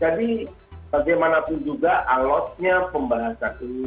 jadi bagaimanapun juga alatnya pembahasan ini